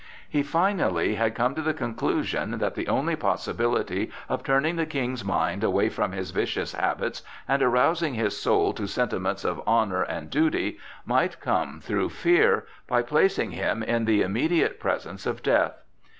He finally had come to the conclusion that the only possibility of turning the King's mind away from his vicious habits and arousing his soul to sentiments of honor and duty might come through fear, by placing him in the immediate presence of death.